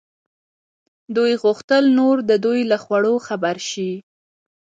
دوی غوښتل نور د دوی له خوړو خبر شي.